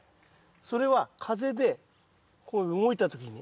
それは風でこう動いた時に。